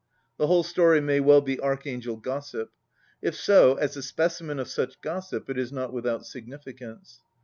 The whole story may well be Arch angel gossip. If so, as a specimen of such gossip, it is not without significance.